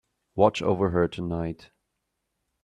Watch over her tonight.